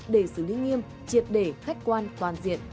đề xử lý nghiêm triệt đề khách quan toàn diện